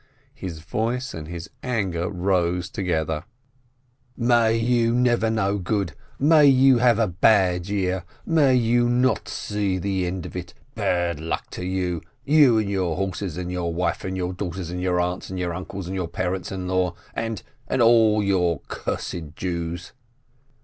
His voice and his anger rose together: FISHEL THE TEACHER 131 "May you never know good ! May you have a bad year ! May you not see the end of it ! Bad luck to you, you and your horses and your wife and your daughter and your aunts and your uncles and your parents in law and — and all your cursed Jews